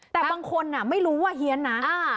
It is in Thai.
แต่บางคนไม่รู้ว่าเฮียนนะ